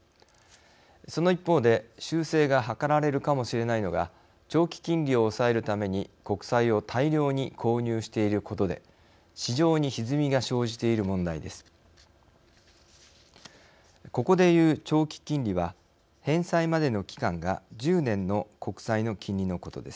その一方で修正が図られるかもしれないのが長期金利を抑えるために国債を大量に購入していることで市場にひずみが生じている問題です。